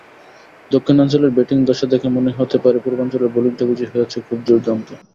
দক্ষিণাঞ্চলের ব্যাটিং দশা দেখে মনে হতে পারে পূর্বাঞ্চলের বোলিংটা বুঝি হয়েছে খুব দুর্দান্ত।